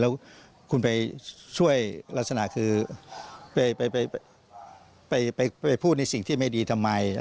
แล้วคุณไปช่วยลักษณะคือไปพูดในสิ่งที่ไม่ดีทำไม